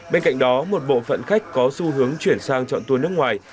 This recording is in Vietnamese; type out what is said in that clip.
bên cạnh đó một bộ phận khách có xu hướng chuyển sang chọn tour nước ngoài